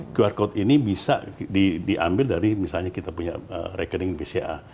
qr code ini bisa diambil dari misalnya kita punya rekening pcr